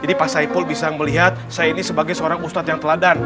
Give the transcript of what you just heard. jadi pak saipul bisa melihat saya ini sebagai seorang ustaz yang teladan